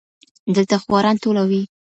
دلته خواران ټوله وي